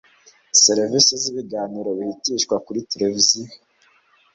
serivisi z ibiganiro bihitishwa kuri televiziyo